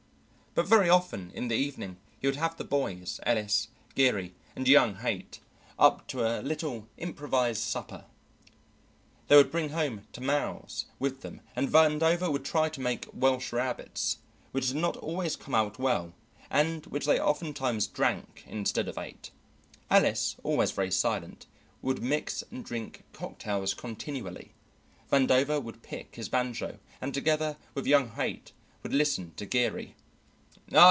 But very often in the evening he would have the boys, Ellis, Geary, and young Haight, up to a little improvised supper. They would bring home tamales with them, and Vandover would try to make Welsh rabbits, which did not always come out well and which they oftentimes drank instead of ate. Ellis, always very silent, would mix and drink cocktails continually. Vandover would pick his banjo, and together with young Haight would listen to Geary.